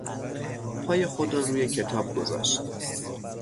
پای خود را روی کتاب گذاشت.